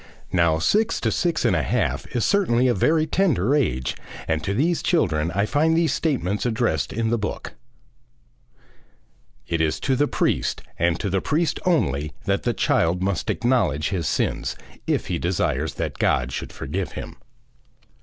Now, six to six and a half is certainly a very tender age, and to these children I find these statements addressed in the book: "'It is to the priest, and to the priest only, that the child must acknowledge his sins, if he desires that God should forgive him.